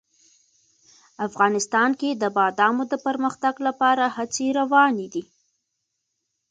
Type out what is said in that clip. افغانستان کې د بادامو د پرمختګ لپاره هڅې روانې دي.